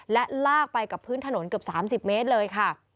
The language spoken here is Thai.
และลากไปกับพื้นถนนเกือบ๓๐เมตรเลยค่ะ